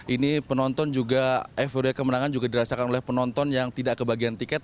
ini penonton juga euforia kemenangan juga dirasakan oleh penonton yang tidak kebagian tiket